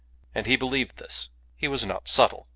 And he believed this. He was not subtle.